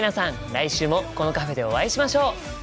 来週もこのカフェでお会いしましょう！